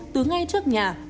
từ ngay trước nhà